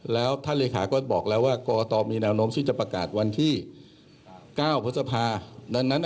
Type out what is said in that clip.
แล้วท่านริขาก็บอกแล้วว่าก็กกตมีแนวนมที่จะประกาศวันที่๙พฤษภา